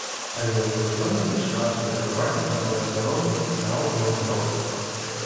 Але ўжо сёння пачынаюць перакрываць некаторыя дарогі і нават веладарожкі.